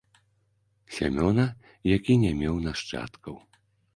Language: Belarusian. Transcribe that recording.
Сямёна, які не меў нашчадкаў.